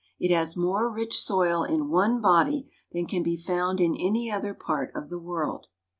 It has more rich soil in one body than can be found in any other part of the world.